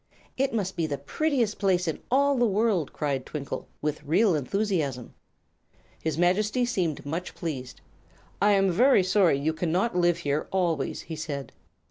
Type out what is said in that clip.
"It must be the prettiest place in all the world!" cried Twinkle, with real enthusiasm. His Majesty seemed much pleased. "I am very sorry you cannot live here always," he said.